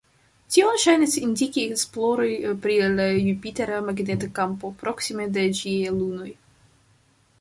Tion ŝajnas indiki esploroj pri la Jupitera magneta kampo proksime de ĝiaj lunoj.